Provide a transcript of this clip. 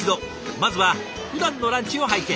まずはふだんのランチを拝見。